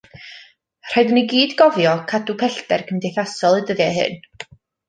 Rhaid i ni gyd gofio cadw pellter cymdeithasol y dyddiau hyn.